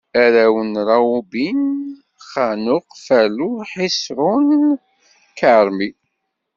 Arraw n Rawubin: Ḥanux, Falu, Ḥiṣrun, Karmi.